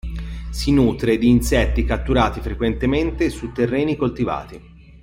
Si nutre di insetti catturati frequentemente su terreni coltivati.